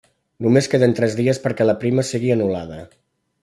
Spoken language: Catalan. Només queden tres dies perquè la prima sigui anul·lada.